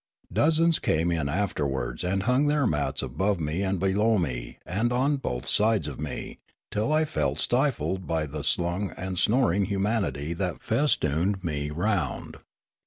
Dozens came in after wards and hung their mats above me and below me and on both sides of me till I felt stifled by the slung and snoring humanity that festooned me round.